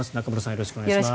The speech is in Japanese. よろしくお願いします。